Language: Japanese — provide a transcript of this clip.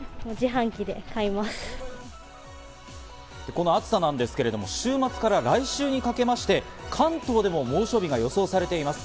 この暑さなんですけれども、週末から来週にかけまして、関東でも猛暑日が予想されています。